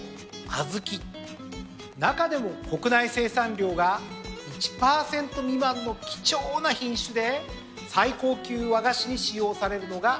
中でも国内生産量が１％未満の貴重な品種で最高級和菓子に使用されるのが大納言小豆。